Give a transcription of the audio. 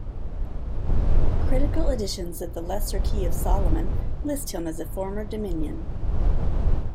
Critical editions of the "Lesser Key of Solomon" list him as a former Dominion.